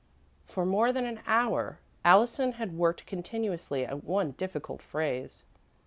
For more than an hour, Allison had worked continuously at one difficult phrase.